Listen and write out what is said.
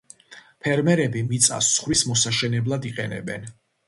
ფერმერები მიწას ცხვრის მოსაშენებლად იყენებდნენ.